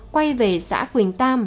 quay về xã quỳnh tam